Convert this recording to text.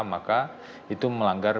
maka itu melanggar